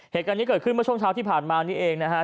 เหตุการณ์นี้เกิดขึ้นเมื่อช่วงเช้าที่ผ่านมานี้เองนะฮะ